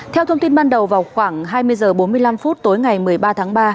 theo thông tin ban đầu vào khoảng hai mươi h bốn mươi năm tối ngày một mươi ba tháng ba